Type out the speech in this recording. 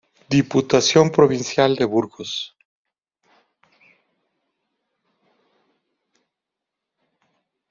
Diputación Provincial de Burgos.